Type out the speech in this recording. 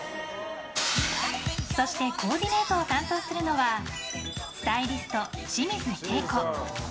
そしてコーディネートを担当するのはスタイリスト、清水恵子。